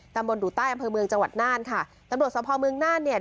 มาดูใต้อำเภอเมืองจังหวัดน่านค่ะตำรวจสภเมืองน่านเนี่ย